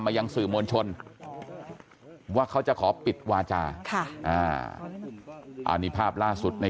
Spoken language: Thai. ยังสื่อมวลชนว่าเขาจะขอปิดวาจาค่ะอ่าอันนี้ภาพล่าสุดใน